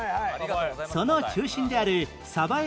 その中心である江